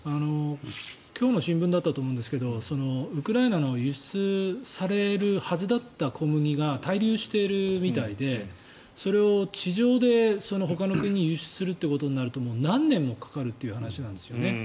今日の新聞だったと思うんですがウクライナの輸出されるはずだった小麦が滞留しているみたいでそれを地上でほかの国に輸出するということになると何年もかかるという話なんですよね。